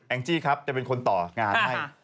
จี้ครับจะเป็นคนต่องานให้